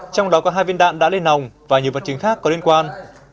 trong đó có hai viên đạn đã lên nòng và nhiều vật chứng khác có liên quan